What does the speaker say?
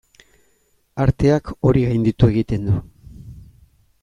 Arteak hori gainditu egiten du.